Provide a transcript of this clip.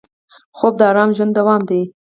خوب د ارام ژوند دوام دی